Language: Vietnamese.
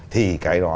thì cái đó